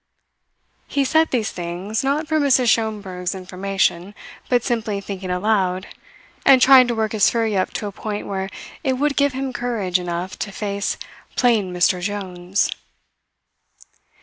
He said these things, not for Mrs. Schomberg's information, but simply thinking aloud, and trying to work his fury up to a point where it would give him courage enough to face "plain Mr. Jones."